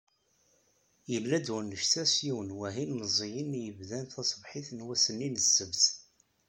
Yella-d wannect-a s yiwen wahil meẓẓiyen, i yebdan taṣebḥit n wass-nni n ssebt.